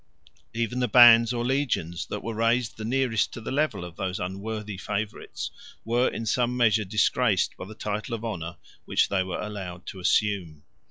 Even the bands or legions that were raised the nearest to the level of those unworthy favorites, were in some measure disgraced by the title of honor which they were allowed to assume.